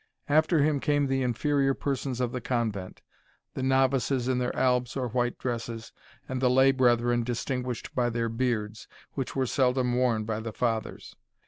After him came the inferior persons of the convent; the novices in their albs or white dresses, and the lay brethren distinguished by their beards, which were seldom worn by the Fathers.